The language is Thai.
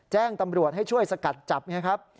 แจ้งตำรวจให้ช่วยศักดย์จับ